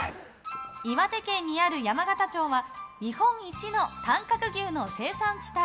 岩手県にある山形町は日本一の短角牛の生産地帯。